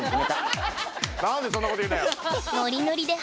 何でそんなこと言うんだよ。